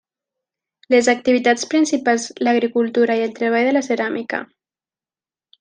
Les activitats principals l'agricultura i el treball de la ceràmica.